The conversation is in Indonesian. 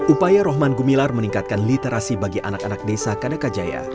upaya rohman gumilar meningkatkan literasi bagi anak anak desa kadakajaya